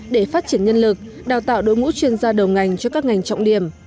để phát triển nhân lực đào tạo đối ngũ chuyên gia đầu ngành cho các ngành trọng điểm